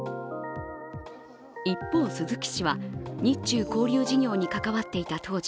一方、鈴木氏は日中交流事業に関わっていた当時